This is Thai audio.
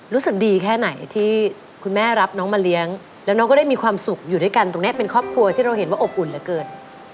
รู้สึกดีแค่ไหนที่คุณแม่รับน้องมาเลี้ยงแล้วน้องก็ได้มีความสุขอยู่ด้วยกันตรงนี้เป็นครอบครัวที่เราเห็นว่าอบอุ่นเหลือเกิน